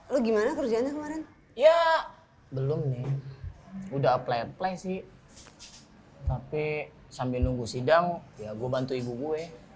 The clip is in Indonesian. lo gimana kerjanya kemarin ya belum nih udah play play sih tapi sambil nunggu sidang ya gue bantu ibu gue